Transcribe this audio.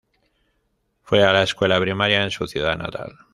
Fue a la escuela primaria en su ciudad natal.